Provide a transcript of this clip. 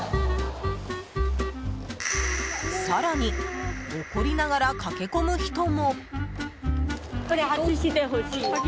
更に、怒りながら駆け込む人も。